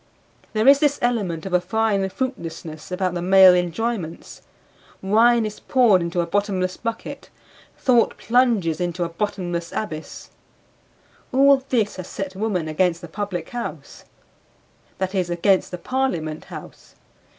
There is this element of a fine fruitlessness about the male enjoyments; wine is poured into a bottomless bucket; thought plunges into a bottomless abyss. All this has set woman against the Public House that is, against the Parliament House.